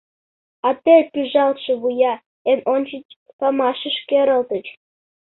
А тый пӱжалтше вуя эн ончыч памашыш керылтыч.